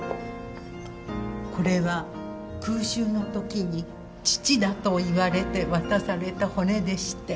これは空襲のときに父だと言われて渡された骨でして。